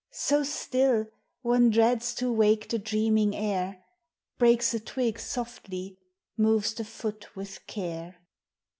So still, one dreads to wake the dreaming air, Breaks a twig softly, moves the fool with care.